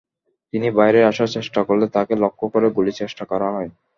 তিনি বাইরে আসার চেষ্টা করলে তাঁকে লক্ষ্য করে গুলির চেষ্টা করা হয়।